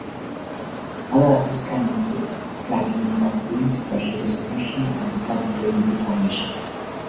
Other effects can include flattening of grains, pressure dissolution and sub-grain deformation.